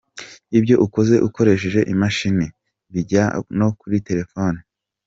Ibyo ukoze ukoresheje imashini, bijya no kuri telefoni.